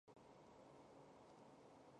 授东平州知州。